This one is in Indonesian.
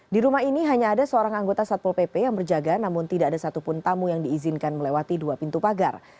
di rumah ini hanya ada seorang anggota satpol pp yang berjaga namun tidak ada satupun tamu yang diizinkan melewati dua pintu pagar